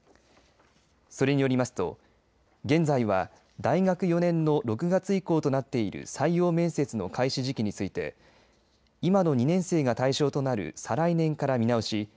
それによりますと現在は大学４年の６月以降となっている採用面接の開始時期について今の２年生が対象となる再来年から見直し